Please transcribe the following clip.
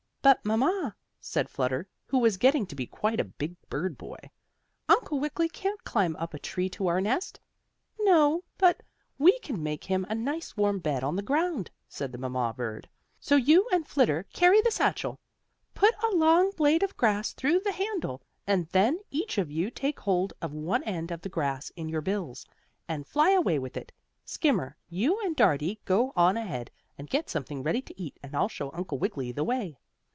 "But, mamma," said Flutter, who was getting to be quite a big bird boy, "Uncle Wiggily can't climb up a tree to our nest." "No, but we can make him a nice warm bed on the ground," said the mamma bird. "So you and Flitter carry the satchel. Put a long blade of grass through the handle, and then each of you take hold of one end of the grass in your bills, and fly away with it. Skimmer, you and Dartie go on ahead, and get something ready to eat, and I'll show Uncle Wiggily the way."